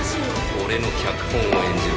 「俺の脚本を演じろ」